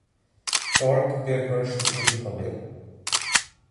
torque বের করার সূত্রটি হবে